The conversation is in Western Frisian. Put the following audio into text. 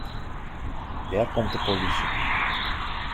Dêr komt de polysje.